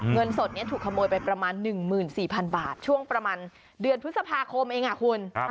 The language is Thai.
เงินสดนี้ถูกขโมยไปประมาณ๑๔๐๐๐บาทช่วงประมาณเดือนพฤษภาคมเองคุณ